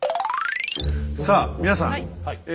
さあ皆さんえ